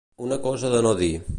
Una cosa de no dir.